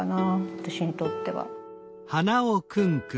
私にとっては。